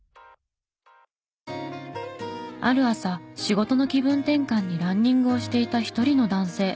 ある朝仕事の気分転換にランニングをしていた一人の男性。